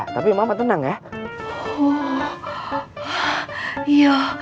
tapi mama tenang ya